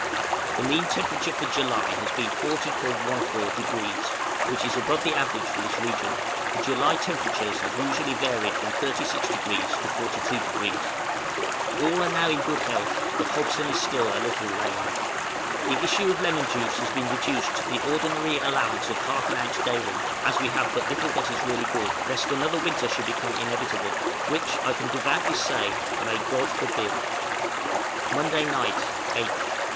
The mean temperature for July has been 40·14°, which is above the average for this region; the July temperatures have usually varied from 36° to 42°. All are now in good health, but Hobson still a little lame. The issue of lemon juice has been reduced to the ordinary allowance of half an ounce daily (as we have but little that is really good), lest another winter should become inevitable, which, I can devoutly say, may God forbid! {WAITING TO ESCAPE.} _Monday night, 8th.